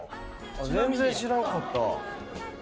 全然知らんかった。